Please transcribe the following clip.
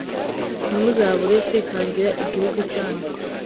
Ntimuzabure kwitangira igihugu cyanyu